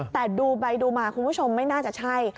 แต่ดูไปดูมาคุณผู้ชมไม่น่าจะใช่